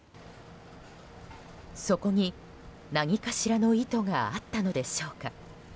そこに何かしらの意図があったのでしょうか。